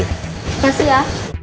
terima kasih ya